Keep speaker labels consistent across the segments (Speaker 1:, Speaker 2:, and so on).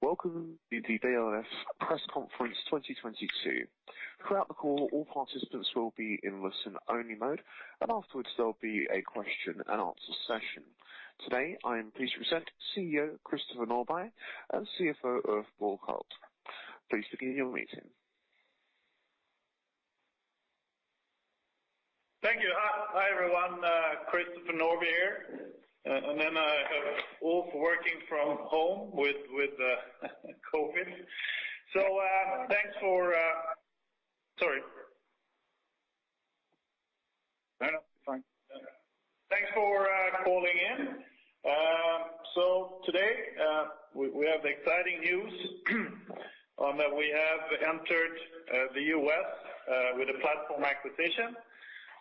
Speaker 1: Welcome to the Beijer Ref press conference 2022. Throughout the call, all participants will be in listen-only mode. Afterwards, there'll be a question and answer session. Today, I am pleased to present CEO Christopher Norbye and CFO Ulf Berghult. Please begin your meeting.
Speaker 2: Thank you. Hi, everyone, Christopher Norbye here, and then, Ulf working from home with COVID. Thanks for... Sorry.
Speaker 3: No, no, it's fine.
Speaker 2: Thanks for calling in. Today, we have exciting news on that we have entered the U.S. with a platform acquisition.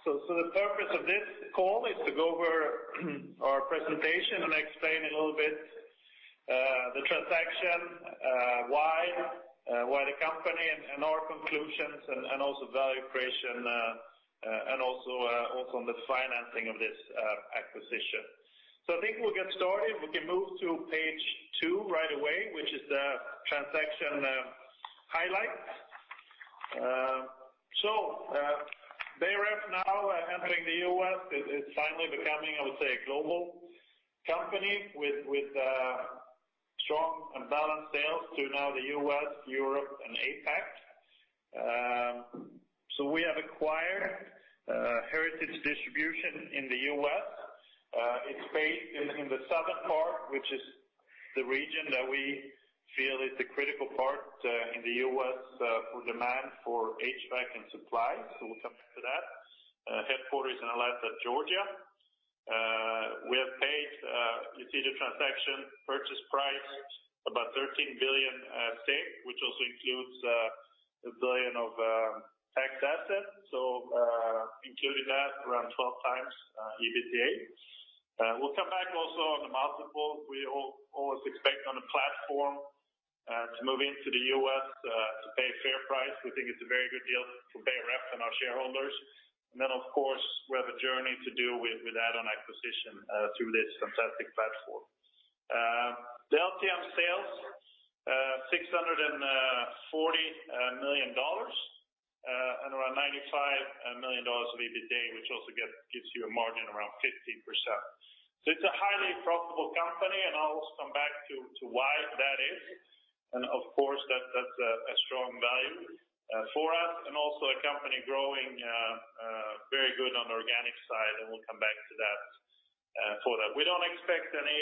Speaker 2: The purpose of this call is to go over our presentation and explain a little bit the transaction, why the company and our conclusions and also value creation, and also on the financing of this acquisition. IWe'll get started. We can move to page 2 right away, which is the transaction highlights. Beijer Ref now entering the U.S. is finally becoming, I would say, a global company with strong and balanced sales to now the U.S., Europe and APAC. We have acquired Heritage Distribution in the U.S. It's based in the southern part, which is the region that we feel is the critical part in the U.S. for demand for HVAC and supply, so we'll come back to that. Headquarters in Atlanta, Georgia. We have paid, you see the transaction purchase price about 13 billion, which also includes 1 billion of tax assets. Including that, around 12x EBITDA. We'll come back also on the multiple. We always expect on a platform to move into the U.S. to pay a fair price. We think it's a very good deal for Beijer Ref and our shareholders. Of course, we have a journey to do with add-on acquisition through this fantastic platform. The LTM sales, $640 million, and around $95 million of EBITDA, which also gives you a margin around 15%. It's a highly profitable company, and I'll also come back to why that is. Of course, that's a strong value for us and also a company growing very good on the organic side, and we'll come back to that for that. We don't expect any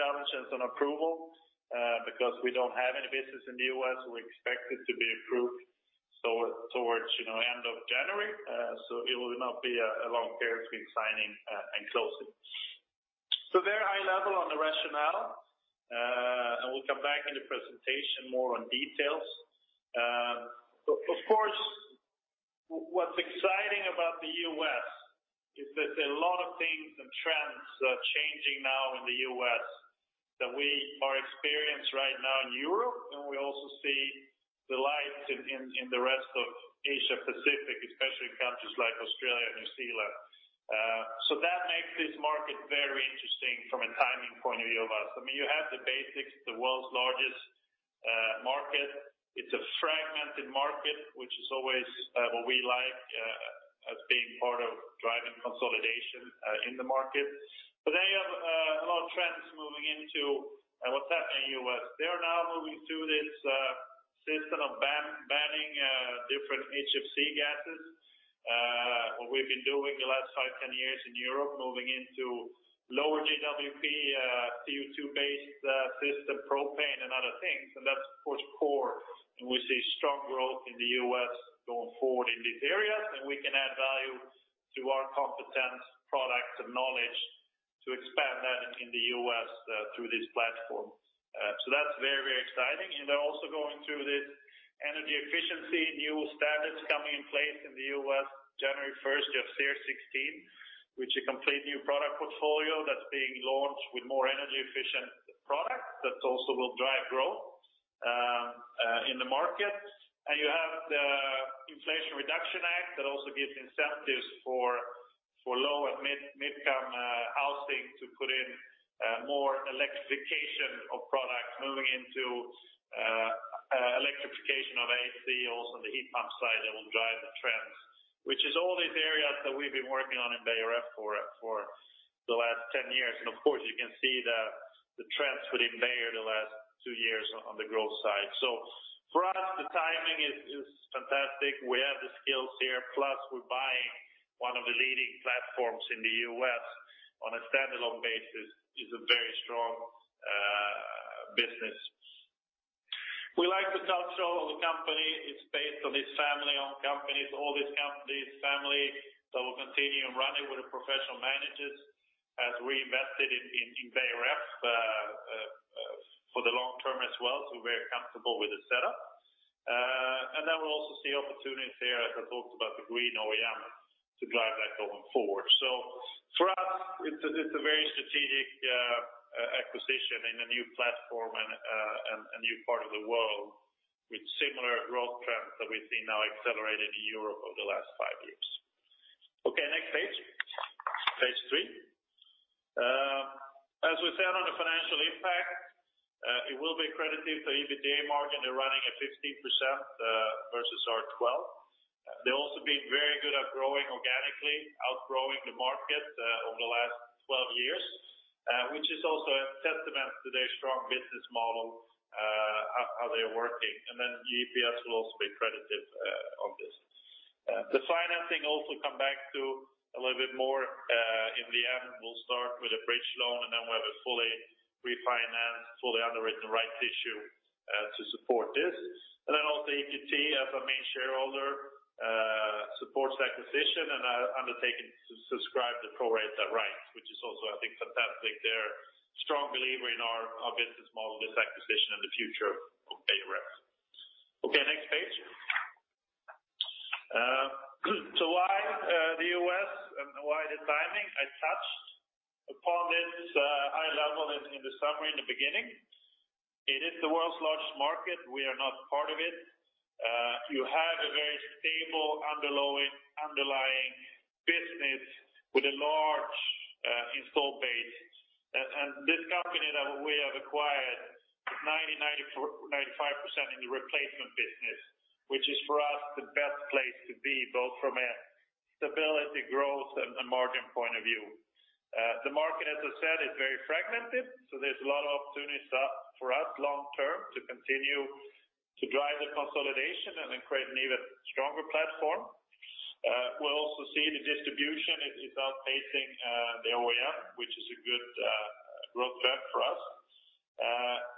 Speaker 2: challenges on approval because we don't have any business in the US. We expect it to be approved towards end of January. It will not be a long period between signing and closing. Very high level on the rationale, and we'll come back in the presentation more on details. Of course, what's exciting about the U.S. is that there are a lot of things and trends that are changing now in the U.S. that we are experienced right now in Europe, and we also see the light in the rest of Asia-Pacific, especially countries like Australia and New Zealand. That makes this market very interesting from a timing point of view of us. You have the basics, the world's largest market. It's a fragmented market, which is always what we like as being part of driving consolidation in the market. You have a lot of trends moving into what's happening in U.S. They are now moving through this system of banning different HFC gases, what we've been doing the last 5, 10 years in Europe, moving into lower GWP, CO2-based system, propane and other things. That's, of course, core, and we see strong growth in the US going forward in these areas. We can add value through our competent products and knowledge to expand that in the US through this platform, so that's very, very exciting. They're also going through this energy efficiency, new standards coming in place in the US January 1st of SEER2 16, which a complete new product portfolio that's being launched with more energy efficient products that also will drive growth in the market. You have the Inflation Reduction Act that also gives incentives for low- and mid-come housing to put in more electrification of products moving into electrification of AC, also the heat pump side that will drive the trends. Is all these areas that we've been working on in Beijer Ref for the last 10 years. Of course, you can see the trends within Beijer Ref the last 2 years on the growth side. For us, the timing is fantastic. We have the skills here, plus we're buying one of the leading platforms in the US on a standalone basis is a very strong business. We like the culture of the company. It's based on this family-owned company. It's all this company is family that will continue running with the professional managers as we invested in Beijer Ref for the long term as well, so we're comfortable with the setup. We'll also see opportunities there as I talked about the green OEM to drive that going forward. For us, it's a very strategic acquisition in a new platform and new part of the world with similar growth trends that we've seen now accelerated in Europe over the last 5 years. Next page. Page 3. As we said on the financial impact, it will be creditive to EBITDA margin. They're running at 15%, versus our 12. They've also been very good at growing organically, outgrowing the market, over the last 12 years, which is also a testament to their strong business model, how they are working. EPS will also be creditive on this. The financing also come back to a little bit more in the end. We'll start with a bridge loan and then we have a fully refinanced, fully underwritten rights issue to support this. Also EQT as a main shareholder supports the acquisition and have undertaken to subscribe to pro-rate their rights, which is also fantastic. They're strong believer in our business model, this acquisition, and the future of Beijer Ref. Okay, next page. Why the U.S. and why the timing? I touched upon this high level in the summary in the beginning. It is the world's largest market. We are not part of it. You have a very stable underlying business with a large install base. This company that we have acquired 95% in the replacement business, which is for us the best place to be, both from a stability, growth, and margin point of view. The market, as I said, is very fragmented, there's a lot of opportunities for us long term to continue to drive the consolidation and then create an even stronger platform. We'll also see the distribution is outpacing the OEM, which is a good growth trend for us.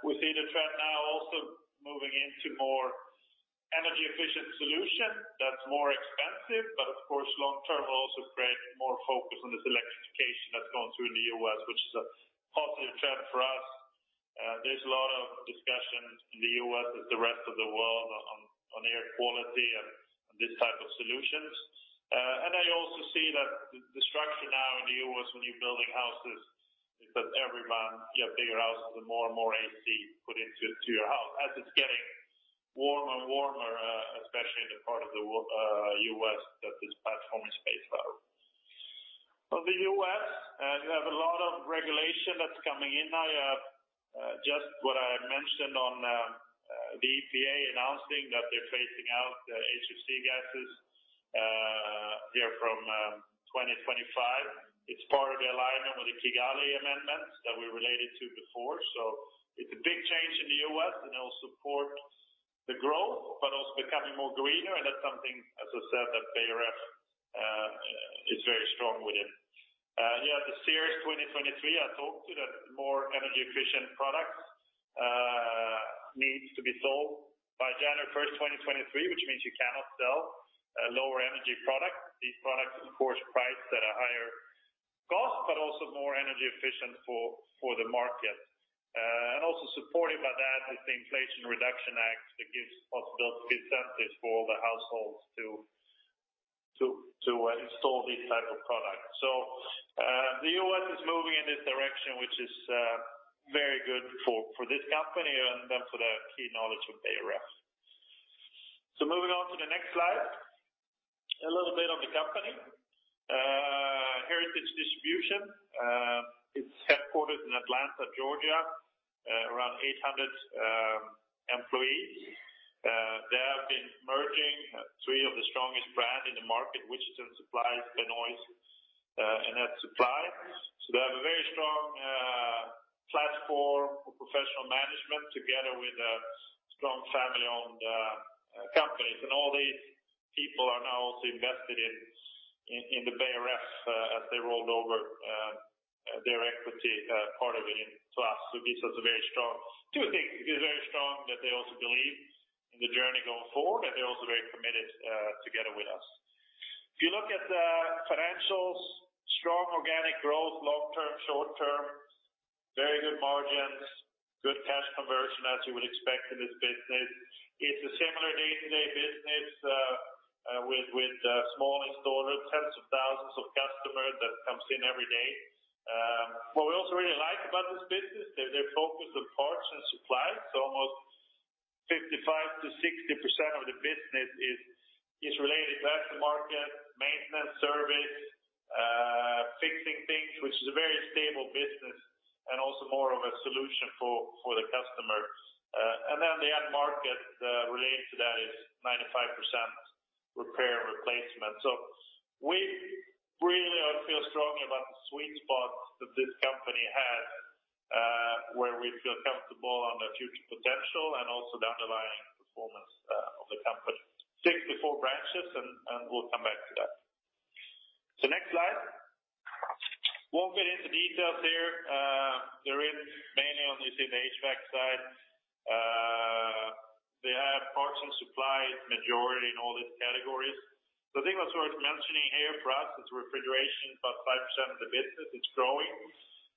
Speaker 2: We see the trend now also moving into more energy efficient solution that's more expensive, of course, long term will also create more focus on this electrification that's going through in the U.S., which is a positive trend for us. There's a lot of discussions in the U.S. with the rest of the world on air quality and these type of solutions. I also see that the structure now in the U.S. when you're building houses is that every month you have bigger houses and more and more AC put into your house as it's getting warmer and warmer, especially in the part of the U.S. that this platform is based out of. For the U.S., you have a lot of regulation that's coming in now. Just what I mentioned on the EPA announcing that they're phasing out the HFC gases here from 2025. It's part of the alignment with the Kigali Amendment that we related to before. It's a big change in the US, and it will support the growth, but also becoming more greener, and that's something, as I said, that Beijer Ref is very strong within. The SEER2 2023, I talked to the more energy efficient products, needs to be sold by January 1, 2023, which means you cannot sell a lower energy product. These products, of course, priced at a higher cost, but also more energy efficient for the market. Also supported by that is the Inflation Reduction Act that gives possible incentives for all the households to install these type of products. The U.S. is moving in this direction, which is very good for this company for the key knowledge of Beijer Ref. Moving on to the next slide. A little bit of the company. Heritage Distribution is headquartered in Atlanta, Georgia, around 800 employees. They have been merging three of the strongest brand in the market, Wittichen Supply, Benoist, and Ed's Supply. They have a very strong platform for professional management together with a strong family-owned companies. All these people are now also invested in Beijer Ref as they rolled over their equity part of it to us. It gives us two things. It gives very strong that they also believe in the journey going forward, and they're also very committed together with us. If you look at the financials, strong organic growth, long term, short term, very good margins, good cash conversion as you would expect in this business. It's a similar day-to-day business with small installers, tens of thousands of customers that comes in every day. What we also really like about this business, they're focused on parts and supplies. Almost 55%-60% of the business is related to aftermarket, maintenance, service, fixing things, which is a very stable business and also more of a solution for the customers. Then the end market related to that is 95% repair and replacement. We really feel strongly about the sweet spot that this company has, where we feel comfortable on the future potential and also the underlying performance of the company. 6 before branches. We'll come back to that. Next slide. We'll get into details here. They're in mainly on, you see, the HVAC side. They have parts and supplies majority in all these categories. The thing that's worth mentioning here for us is refrigeration is about 5% of the business. It's growing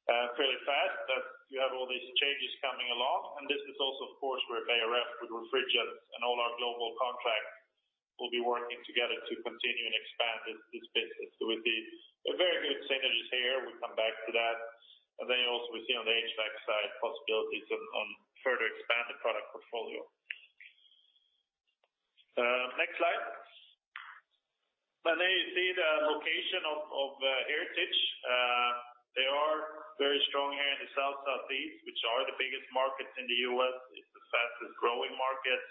Speaker 2: fairly fast that you have all these changes coming along. This is also of course where Beijer Ref with Refrigerant and all our global contracts will be working together to continue and expand this business. We'll come back to that. Also we see on the HVAC side possibilities on further expand the product portfolio. Next slide. There you see the location of Heritage Distribution. They are very strong here in the South, Southeast, which are the biggest markets in the U.S. It's the fastest-growing markets.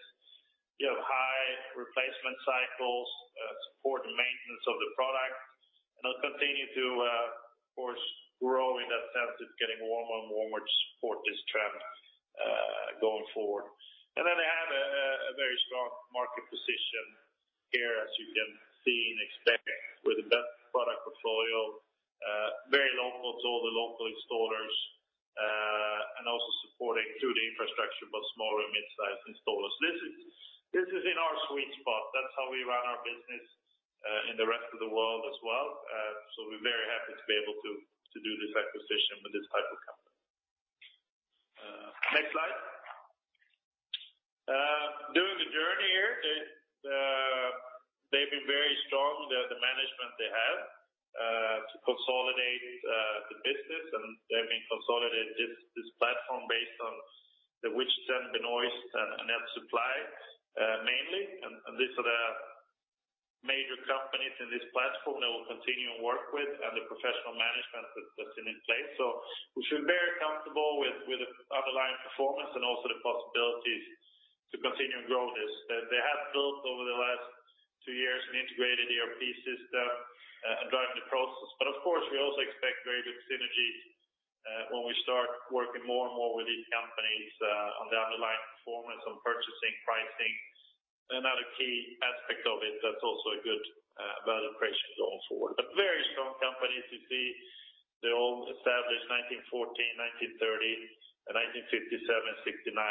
Speaker 2: You have high replacement cycles, support and maintenance of the product. They'll continue to, of course, grow in that sense. It's getting warmer and warmer to support this trend, going forward. They have a very strong market position here, as you can see and expect with the best product portfolio, very local to all the local installers, and also supporting through the infrastructure, both small and mid-sized installers. This is in our sweet spot. That's how we run our business in the rest of the world as well. We're very happy to be able to do this acquisition with this type of company. Next slide. During the journey here, they've been very strong. They're the management they have to consolidate the business, and they've been consolidated this platform based on the Wittichen Supply, Benoist Brothers Supply, and Ed's Supply mainly. These are the major companies in this platform that we'll continue to work with and the professional management that's been in place. We feel very comfortable with the underlying performance and also the possibilities to continue to grow this. They have built over the last two years an integrated ERP system and driving the process. Of course, we also expect very good synergies when we start working more and more with these companies on the underlying performance on purchasing, pricing. Another key aspect of it that's also a good value creation going forward. A very strong company to see. They're all established 1940, 1930, and 1957, 1969.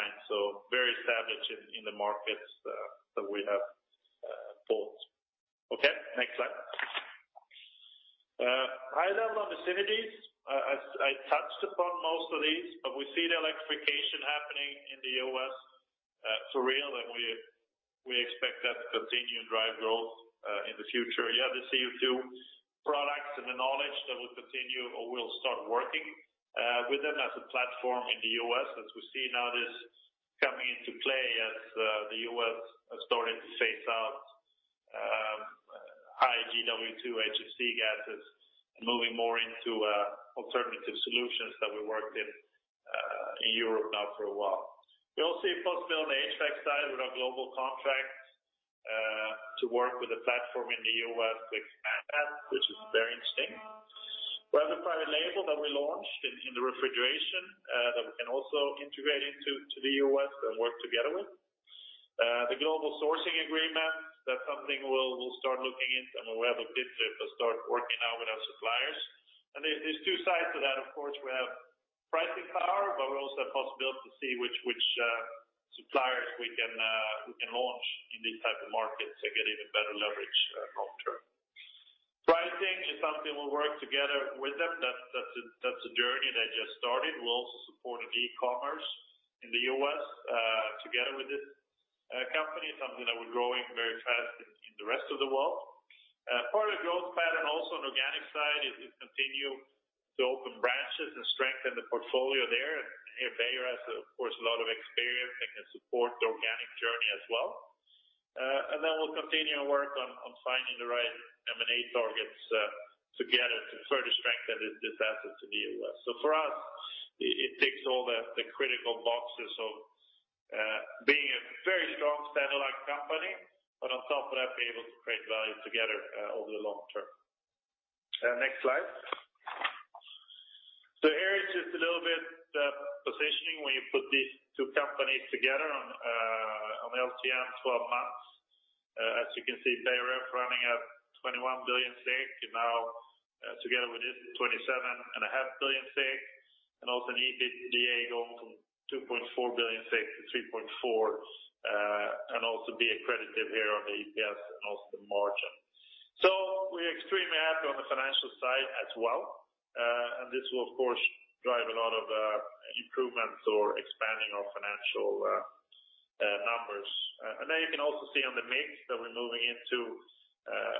Speaker 2: Very established in the markets that we have bought. Okay, next slide. High level on the synergies. I touched upon most of these, but we see the electrification happening in the U.S. for real, and we expect that to continue to drive growth in the future. You have the CO2 products and the knowledge that will continue or will start working with them as a platform in the U.S. as we see now this coming into play as the U.S. are starting to phase out high GWP, HFC gases and moving more into alternative solutions that we worked in Europe now for a while. We also see possibility on the HVAC side with our global contracts to work with the platform in the U.S. to expand that, which is very interesting. We have a private label that we launched in the refrigeration that we can also integrate into the US and work together with. The global sourcing agreement, that's something we'll start looking into, and we have a bit to start working now with our suppliers. There's two sides to that. Of course, we have pricing power, but we also have possibility to see which suppliers we can launch in these types of markets to get even better leverage long term. Pricing is something we'll work together with them. That's a journey that just started. We'll also support an e-commerce in the US together with this company, something that we're growing very fast in the rest of the world. Part of the growth pattern also on organic side is continue to open branches and strengthen the portfolio there. Here Beijer has, of course, a lot of experience and can support the organic journey as well. We'll continue to work on finding the right M&A targets together to further strengthen this asset in the US. For us, it ticks all the critical boxes of being a very strong stand-alone company. On top of that, be able to create value together over the long term. Next slide. Here is just a little bit the positioning when you put these two companies together on LTM 12 months. As you can see, Beijer Ref running at 21 billion and now together with this is 27.5 billion. An EBITDA going from 2.4 billion to 3.4 billion, and also be accretive here on the EPS and also the margin. We're extremely happy on the financial side as well. This will of course drive a lot of improvements or expanding our financial numbers. You can also see on the mix that we're moving into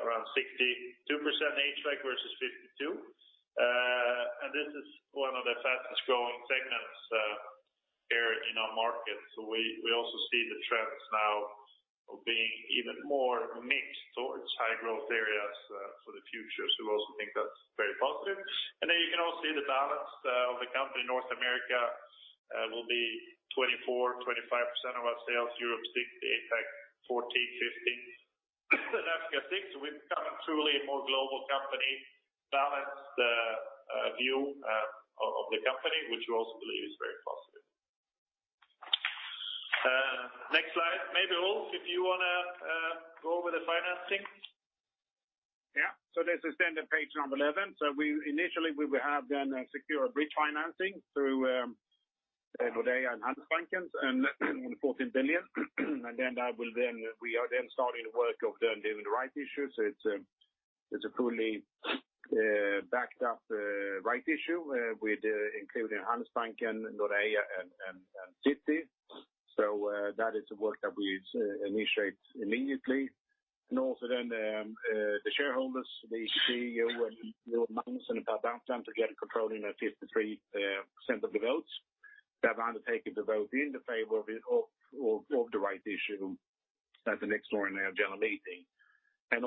Speaker 2: around 62% HVAC versus 52%. This is one of the fastest-growing segments here in our market. We also see the trends now of being even more mixed towards high-growth areas for the future. We also think that's very positive. You can also see the balance of the company. North America will be 24%-25% of our sales. Europe, 60%. APAC, 14%-15%. Africa, 6%. We've become a truly more global company, balanced, view, of the company, which we also believe is very positive. Next slide. Maybe, Ulf, if you wanna go over the financing.
Speaker 3: Yeah. This is the page number 11. We initially will have a secure bridge financing through Nordea and Handelsbanken on SEK 14 billion. We are starting the work of doing the right issue. It's a fully backed up right issue with including Handelsbanken, Nordea, and Citi. That is the work that we initiate immediately. Also the shareholders, the CEO and your management are down to get a controlling of 53% of the votes that have undertaken the vote in the favor of the right issue at the next ordinary general meeting. As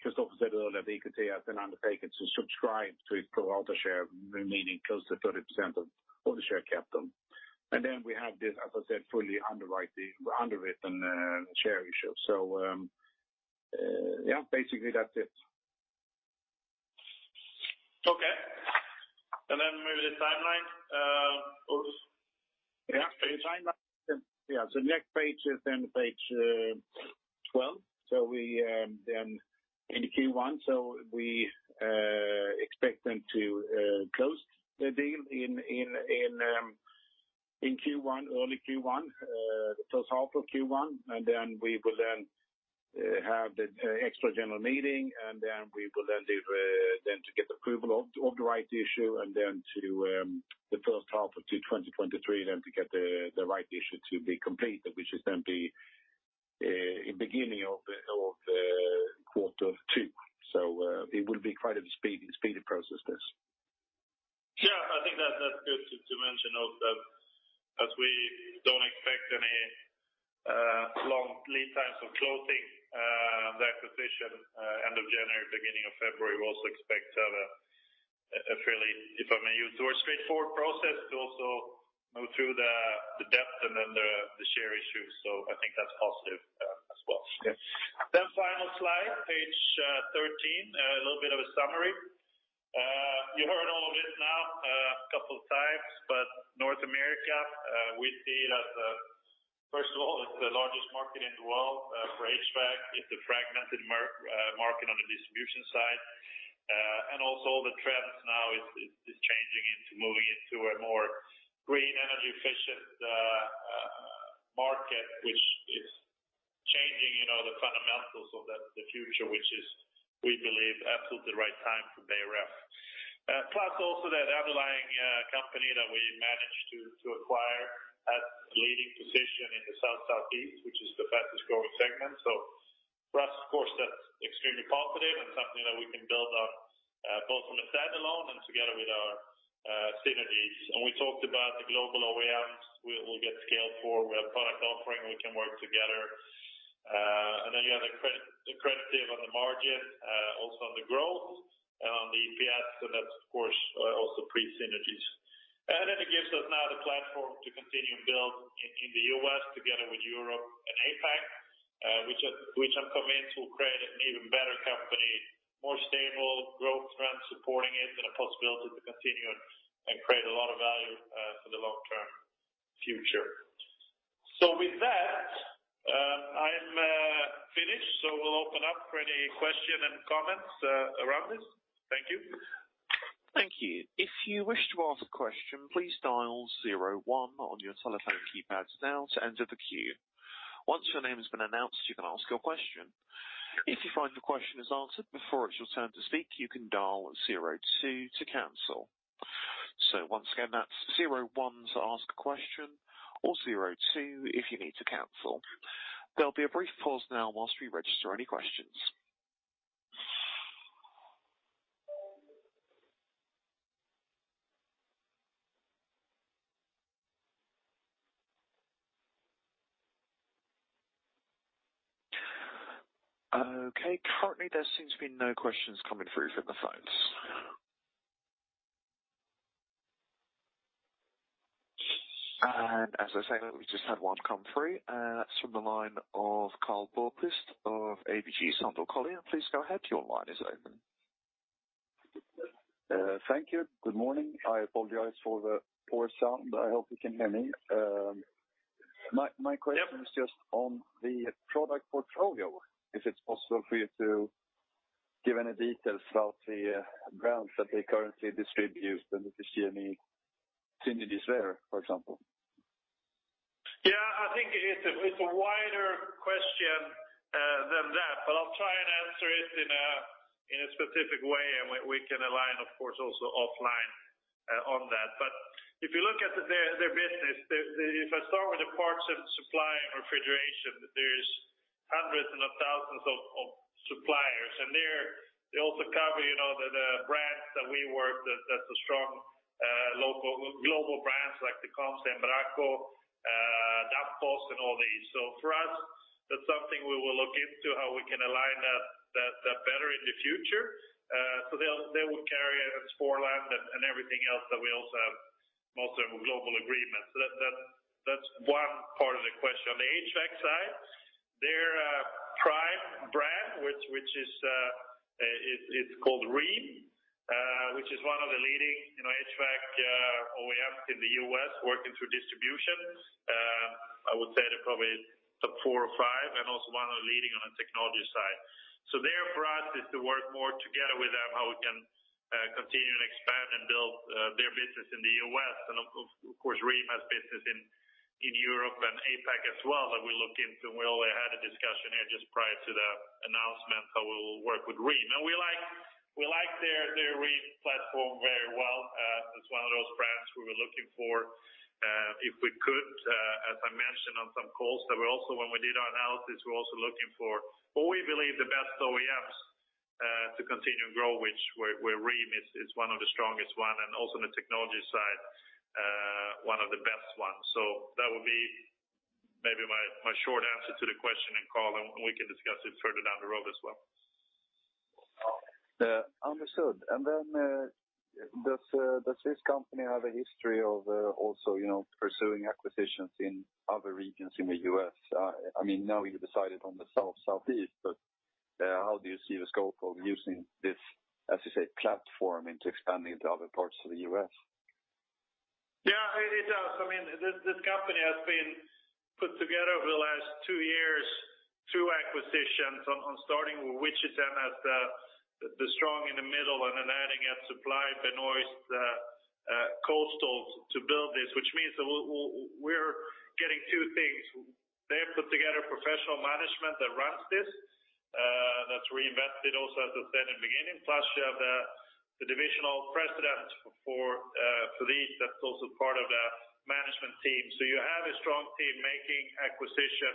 Speaker 3: Christoph said earlier, they could see as an undertaking to subscribe to its pro rata share, remaining close to 30% of the share capital. Then we have this, as I said, fully underwritten share issue. Yeah, basically that's it.
Speaker 2: Okay. Maybe the timeline, of...
Speaker 3: The timeline. Next page is then page 12. We then in Q1, so we expect them to close the deal in Q1, early Q1, the first half of Q1. We will then have the extra general meeting, and then we will then leave them to get the approval of the right issue and then to the first half of 2023 to get the right issue to be completed, which is then the beginning of quarter 2. It will be quite a speedy process this.
Speaker 2: Yeah, that's good to mention also as we don't expect any long lead times of closing the acquisition end of January, beginning of February, we also expect a fairly, if I may use the word straightforward process to also move through the debt and then the share issue. I think that's positive as well.
Speaker 3: Yes.
Speaker 2: Final slide, page 13, a little bit of a summary. You heard all of this now, a couple of times. North America, we see it as first of all, it's the largest market in the world, for HVAC. It's a fragmented market on the distribution side. Also the trends now is changing into moving into a more green energy efficient market, which is changing the fundamentals of the future, which is we believe absolutely the right time for Beijer Ref. Also that underlying company that we managed to acquire has leading position in the South Southeast, which is the fastest growing segment. For us, of course, that's extremely positive and something that we can build on, both on the stand alone and together with our synergies. We talked about the global OEMs we'll get scale for, we have product offering, we can work together. You have the credit given on the margin, also on the growth and on the EPS, and that's of course, also pre synergies. It gives us now the platform to continue to build in the US together with Europe and APAC, which are, which I'm convinced will create an even better company, more stable growth trends supporting it and a possibility to continue and create a lot of value, for the long-term future. With that, I'm finished. We'll open up for any question and comments around this. Thank you.
Speaker 1: Thank you. If you wish to ask a question, please dial 01 on your telephone keypad now to enter the queue. Once your name has been announced, you can ask your question. If you find your question is answered before it's your turn to speak, you can dial 02 to cancel. Once again, that's 01 to ask a question or 02 if you need to cancel. There'll be a brief pause now while we register any questions. Okay. Currently, there seems to be no questions coming through from the phones. As I say, we just had one come through from the line of Karl Bokvist of ABG Sundal Collier. Please go ahead. Your line is open.
Speaker 4: Thank you. Good morning. I apologize for the poor sound. I hope you can hear me. My question.
Speaker 2: Yep.
Speaker 4: Is just on the product portfolio, if it's possible for you to give any details about the brands that they currently distribute, and if you see any synergies there, for example?
Speaker 2: Yeah. It's a wider question than that, but I'll try and answer it in a specific way, and we can align of course also offline on that. If you look at their business, if I start with the parts and supply and refrigeration, there's hundreds of thousands of suppliers. They also cover the brands that we work that's a strong global brands like the Copeland and Sporlan, Danfoss and all these. For us, that's something we will look into how we can align that better in the future. They will carry it as Copeland and everything else that we also have mostly with global agreements. That's one part of the question. On the HVAC side, their prime brand, which is, it's called Rheem, which is one of the leading HVAC, OEMs in the US working through distribution. I would say they're probably the four or five and also one of the leading on the technology side. There for us is to work more together with them, how we can continue to expand and build their business in the US and of course, Rheem has business in Europe and APAC as well that we look into. We already had a discussion here just prior to the announcement, how we'll work with Rheem. We like their Rheem platform very well. It's one of those brands we were looking for, if we could, as I mentioned on some calls that we also when we did our analysis, we're also looking for what we believe the best OEMs, to continue to grow, which where Rheem is one of the strongest one and also on the technology side, one of the best ones. That would be maybe my short answer to the question and call, and we can discuss it further down the road as well.
Speaker 4: Understood. Then, does this company have a history of pursuing acquisitions in other regions in the U.S.? Now you decided on the South, Southeast, but, how do you see the scope of using this, as you say, platform into expanding to other parts of the U.S.?
Speaker 2: Yeah, it does. This company has been put together over the last 2 years through acquisitions on starting with Wittichen Supply as the strong in the middle and then adding Ed's Supply, Benoist Brothers Supply, Coastal Supply Company to build this. Which means that we're getting 2 things. They've put together professional management that runs this, that's reinvested also, as I said in the beginning, plus you have the divisional president for these that's also part of the management team. You have a strong team making acquisition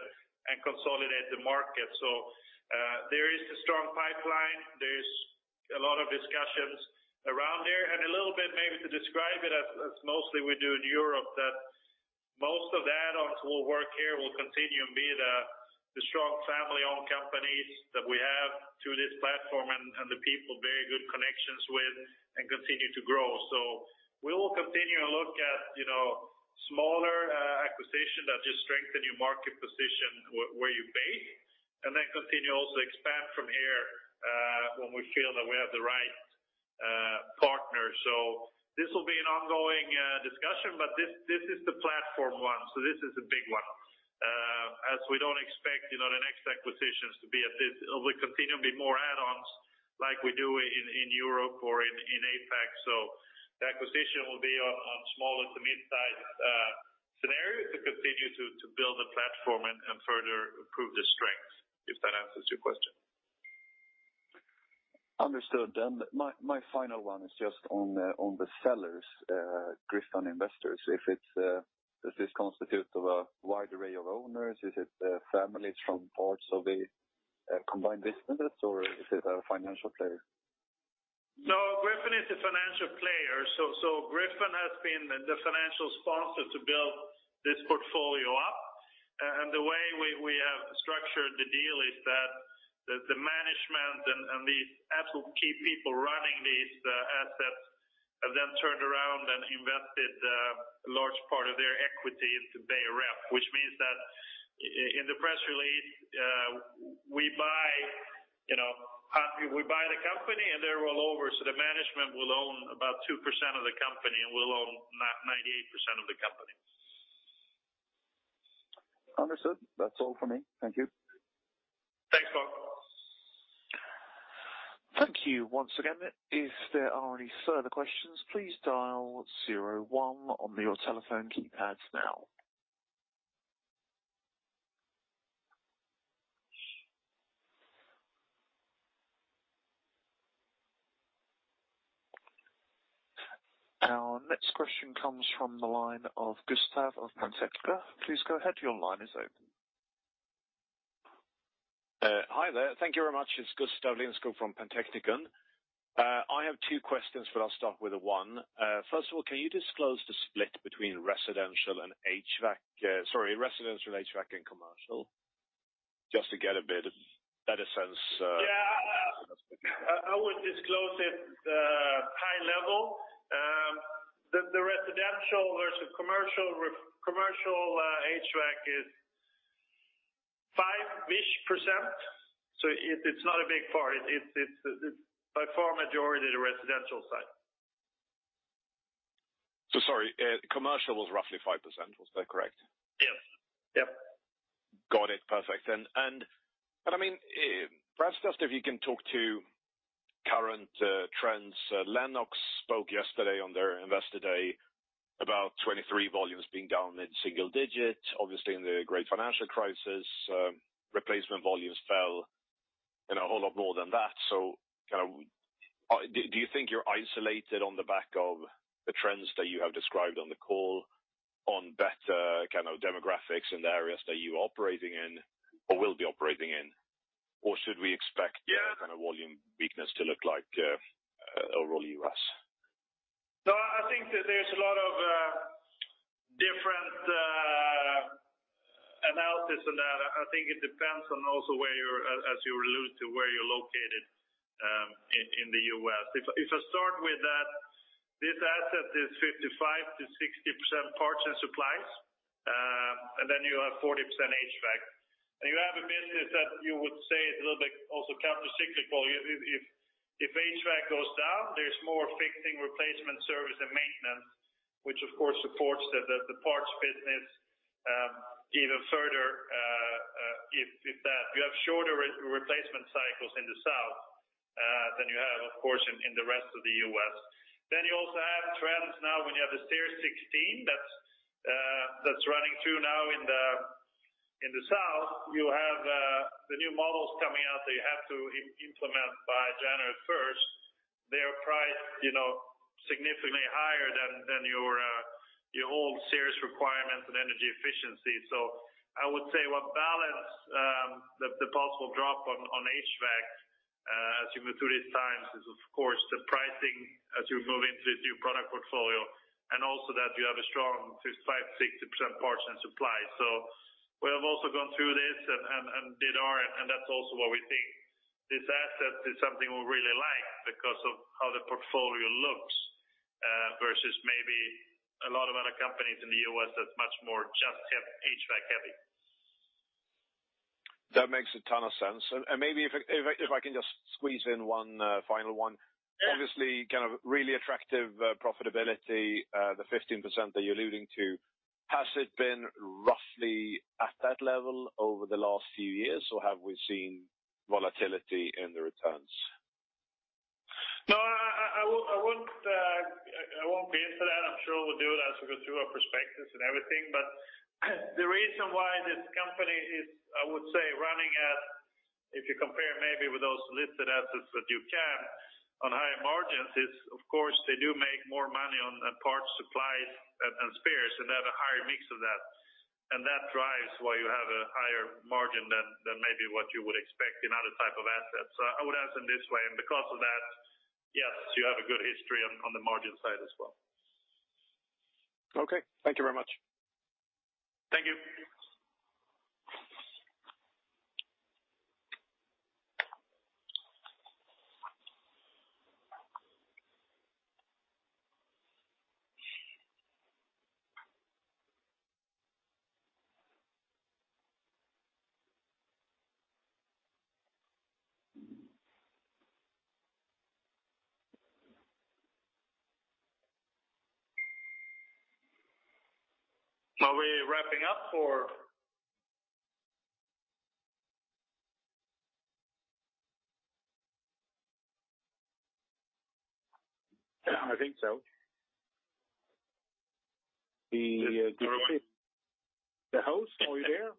Speaker 2: and consolidate the market. There is a strong pipeline. There's a lot of discussions around there. A little bit maybe to describe it as mostly we do in Europe, that most of the add-ons will work here will continue and be the strong family-owned companies that we have through this platform and the people very good connections with and continue to grow. We will continue to look at smaller, acquisition that just strengthen your market position where you base, and then continue also expand from here, when we feel that we have the right, partner. This will be an ongoing, discussion, but this is the platform one, so this is a big one. We don't expect the next acquisitions to be at this. It will continue to be more add-ons like we do in Europe or in APAC. The acquisition will be on small to mid-sized scenarios to continue to build the platform and further improve the strength, if that answers your question.
Speaker 4: Understood. My final one is just on the sellers, Gryphon Investors. Does this constitute of a wide array of owners? Is it families from parts of the combined business or is it a financial player?
Speaker 2: No, Gryphon is a financial player. Gryphon has been the financial sponsor to build this portfolio up. The way we have structured the deal is that the management and these absolute key people running these assets have then turned around and invested a large part of their equity into Beijer Ref, which means that in the press release, we buy the company and they roll over, so the management will own about 2% of the company, and we'll own 98% of the company.
Speaker 4: Understood. That's all for me. Thank you.
Speaker 2: Thanks, Mark.
Speaker 1: Thank you once again. If there are any further questions, please dial 01 on your telephone keypads now. Our next question comes from the line of Gustav of Pentechnica. Please go ahead. Your line is open.
Speaker 5: Hi there. Thank you very much. It's Gustav Lindskog from Pentechnica. I have two questions, but I'll start with one. First of all, can you disclose the split between residential and HVAC, Sorry, residential, HVAC, and commercial? Just to get a bit better sense.
Speaker 2: Yeah.
Speaker 5: Of this business.
Speaker 2: I would disclose it high level. The residential versus commercial HVAC is 5-ish%, so it's not a big part. It's by far majority the residential side.
Speaker 5: Sorry, commercial was roughly 5%. Was that correct?
Speaker 2: Yes. Yep.
Speaker 5: Got it. Perfect. But perhaps, Gustav, if you can talk to current trends. Lennox spoke yesterday on their Investor Day about 2023 volumes being down in single digits. Obviously, in the great financial crisis, replacement volumes fell in a whole lot more than that. Do you think you're isolated on the back of the trends that you have described on the call on better kind of demographics in the areas that you're operating in or will be operating in? Should we expect kind of volume weakness to look like overall U.S.?
Speaker 2: No, I think that there's a lot of different analysis on that. It depends on also where you're, as you allude to, where you're located, in the US. If I start with that, this asset is 55%-60% parts and supplies, and then you have 40% HVAC. You have a business that you would say is a little bit also countercyclical. If HVAC goes down, there's more fixing replacement service and maintenance, which of course supports the parts business even further if that. You have shorter re-replacement cycles in the South than you have of course in the rest of the US. You also have trends now when you have the SEER2 16 that's running through now in The South, you have the new models coming out that you have to implement by January 1st. They are priced, you know, significantly higher than your old series requirements and energy efficiency. I would say what balance the possible drop on HVAC as you go through these times is of course the pricing as you move into the new product portfolio, and also that you have a strong 5% to 6% parts and supply. We have also gone through this and did our... That's also why we think this asset is something we really like because of how the portfolio looks, versus maybe a lot of other companies in the U.S. that's much more just have HVAC heavy.
Speaker 5: That makes a ton of sense. Maybe if I can just squeeze in 1 final 1.
Speaker 2: Yeah.
Speaker 5: Obviously, really attractive, profitability, the 15% that you're alluding to. Has it been roughly at that level over the last few years, or have we seen volatility in the returns?
Speaker 2: No, I won't be into that. I'm sure we'll do it as we go through our perspectives and everything. The reason why this company is, I would say, running at, if you compare maybe with those listed assets that you can on higher margins, is of course they do make more money on the parts, supplies, and spares and have a higher mix of that. That drives why you have a higher margin than maybe what you would expect in other type of assets. I would answer this way, because of that, yes, you have a good history on the margin side as well.
Speaker 5: Okay. Thank you very much.
Speaker 2: Thank you. Are we wrapping up or?
Speaker 3: Yeah, I think so.
Speaker 2: The host, are you there?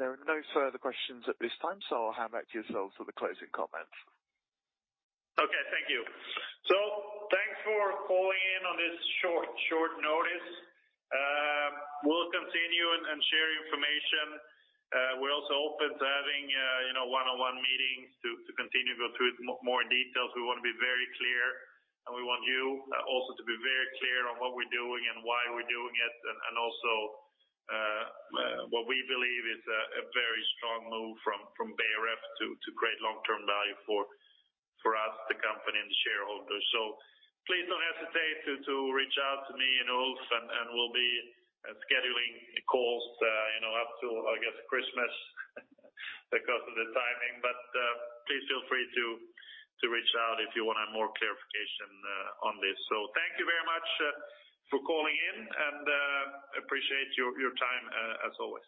Speaker 1: There are no further questions at this time, so I'll hand back to yourselves for the closing comments.
Speaker 2: Okay, thank you. Thanks for calling in on this short notice. We'll continue and share information. We're also open to having one-on-one meetings to continue to go through it more in details. We wanna be very clear, and we want you also to be very clear on what we're doing and why we're doing it and also what we believe is a very strong move from Beijer Ref to create long-term value for us, the company and the shareholders. Please don't hesitate to reach out to me and Ulf and we'll be scheduling calls up to Christmas because of the timing. Please feel free to reach out if you want more clarification on this. Thank you very much, for calling in and, appreciate your time, as always.